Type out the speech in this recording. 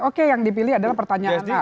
oke yang dipilih adalah pertanyaannya